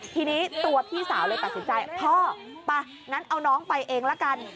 ทีนี้ตัวพี่สาวเลยตัดสินใจพ่อไปงั้นเอาน้องไปเองละกัน